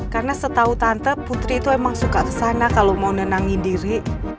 karena setahu tante putri itu emang suka kesana kalau mau nenangin diri